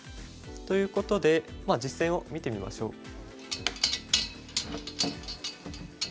ということで実戦を見てみましょう。